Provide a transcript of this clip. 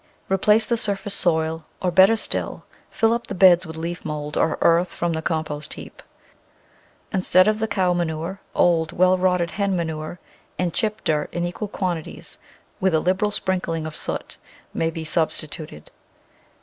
Replace the surface soil, or, better still, fill up the beds with leaf mould or earth from the compost heap. Instead of the cow manure, old, well rotted hen manure and chip dirt in equal quantities, with a liberal sprinkling of soot, may be substituted.